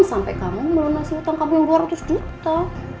sampai kamu melunasi utang kamu yang dua ratus juta